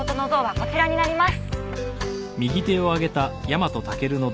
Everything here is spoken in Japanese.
こちらになります。